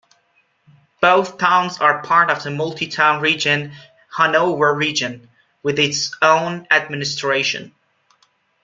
Both towns are part of the multitown region "Hanover Region" with its own administration.